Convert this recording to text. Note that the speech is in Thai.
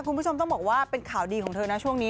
คุณผู้ชมต้องบอกว่าเป็นข่าวดีของเธอนะช่วงนี้